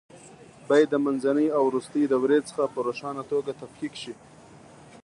باید د منځنۍ او وروستۍ دورې څخه په روښانه توګه تفکیک شي.